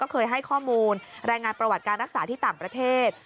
เคยให้ข้อมูลรายงานประวัติการรักษาที่ต่างประเทศ